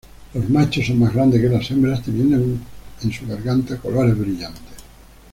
Los machos son más grandes que las hembras teniendo en su garganta colores brillantes.